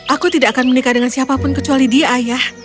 aku tidak akan menikah dengan siapapun kecuali dia ayah